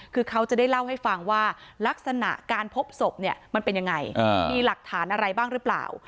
คือเขาจะได้เล่าให้ฟังว่าลักษณะการพบศพเนี่ยมันเป็นยังไงมีหลักฐานอะไรบ้างหรือเปล่า